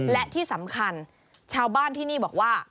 และที่สำคัญชาวบ้านที่นี่บอกว่า